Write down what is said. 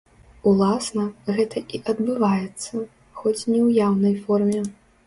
Уласна, гэта і адбываецца, хоць не ў яўнай форме.